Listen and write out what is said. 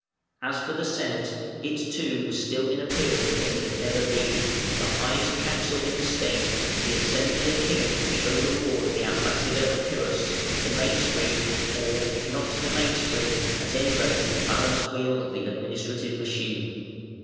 As for the Senate, it too was still in appearance what it had ever been, the highest Council in the State, the assembly of kings which overawed the ambassador of Pyrrhus, the main spring, or, if not the main spring, at any rate the balance wheel, of the administrative machine.